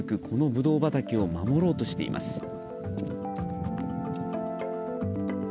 このぶどう畑を守ろうとしています。